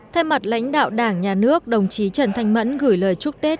thay mặt lãnh đạo đảng nhà nước đồng chí trần thanh mẫn gửi lời chúc tết